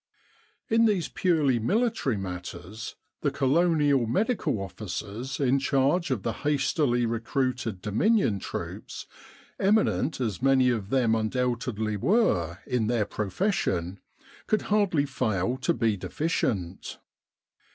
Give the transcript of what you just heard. In these purely military matters the Colonial Medical Officers in charge of the hastily recruited Dominion troops, eminent as many of them undoubtedly were in their profession, could hardly fail to be deficient.